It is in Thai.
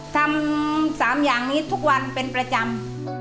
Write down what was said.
ทำ๓อย่างนี้ทุกวันเป็นประจำ